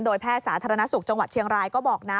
แพทย์สาธารณสุขจังหวัดเชียงรายก็บอกนะ